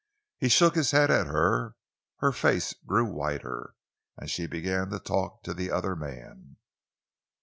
He shook his head at her; her face grew whiter, and she began to talk to the other man.